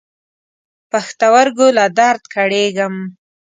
پښتورګو له درد کړېږم.